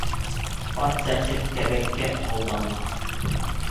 Ҡарт сәпсек кәбәккә алданмаҫ.